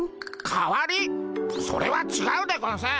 それはちがうでゴンス。